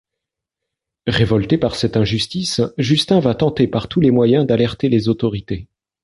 Révolté par cette injustice, Justin va tenter par tous les moyens d'alerter les autorités.